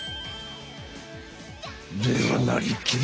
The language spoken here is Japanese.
では「なりきり！